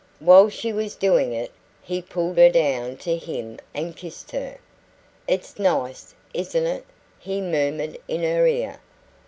While she was doing it, he pulled her down to him and kissed her. "It's nice, isn't it?" he murmured in her ear.